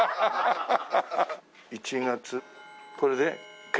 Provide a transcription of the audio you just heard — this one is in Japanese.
１月これで決定。